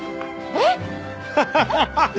えっ！？